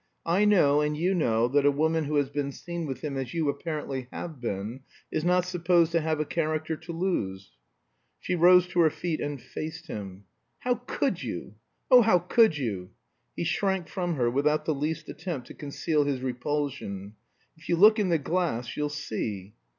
I know, and you know, that a woman who has been seen with him as you apparently have been, is not supposed to have a character to lose." She rose to her feet and faced him. "How could you? Oh, how could you?" He shrank from her, without the least attempt to conceal his repulsion. "If you look in the glass you'll see."